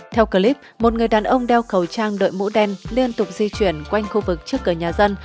theo clip một người đàn ông đeo khẩu trang đợi mũ đen liên tục di chuyển quanh khu vực trước cửa nhà dân